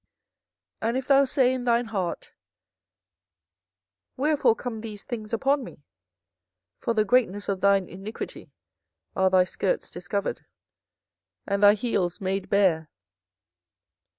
24:013:022 And if thou say in thine heart, Wherefore come these things upon me? For the greatness of thine iniquity are thy skirts discovered, and thy heels made bare.